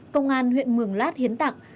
công an huyện mường lát hiến tặng